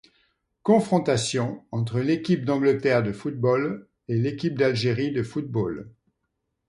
Confrontations entre l'équipe d'Angleterre de football et l'équipe d'Algérie de football.